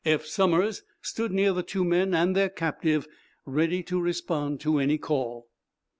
Eph Somers stood near the two men and their captive, ready to respond to any call.